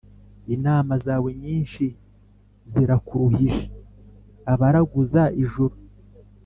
Inama zawe nyinshi zirakuruhije abaraguza ijuru